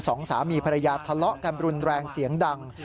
สองสามีภรรยาทะเลาะกันรุนแรงเสียงดัง